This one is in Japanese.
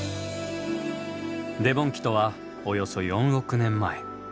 デボン紀とはおよそ４億年前。